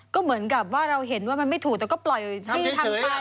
ก็เหมือนกับว่าเราเห็นว่ามันไม่ถูกแต่ก็ปล่อยให้ทางไป